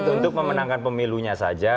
untuk memenangkan pemilunya saja